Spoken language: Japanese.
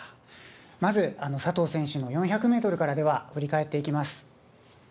まず佐藤選手の４００メートルから振り返っていきます。